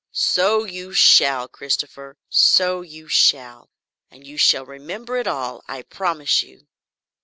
"So you shall, Christopher, so you shall! And you shall remember it all, I promise you.